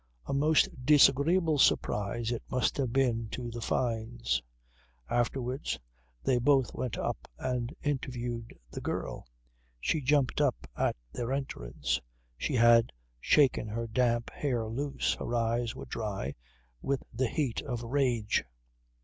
A most disagreeable surprise it must have been to the Fynes. Afterwards they both went up and interviewed the girl. She jumped up at their entrance. She had shaken her damp hair loose; her eyes were dry with the heat of rage.